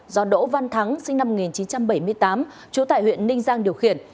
do đỗ văn thắng sinh năm một nghìn chín trăm bảy mươi tám trú tại huyện ninh giang điều khiển